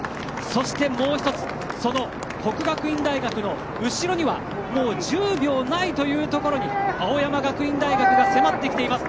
そして、もう１つその國學院大學の後ろにはもう１０秒ないというぐらいのところに青山学院大学が迫ってきています。